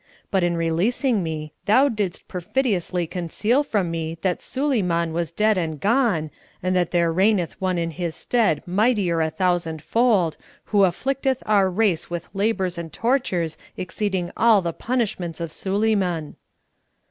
But in releasing me thou didst perfidiously conceal from me that Suleyman was dead and gone, and that there reigneth one in his stead mightier a thousand fold, who afflicteth our race with labours and tortures exceeding all the punishments of Suleyman."